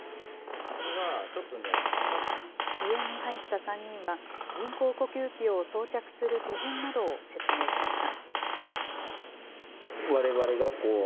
支援に入った３人は、人工呼吸器を装着する手順などを説明しました。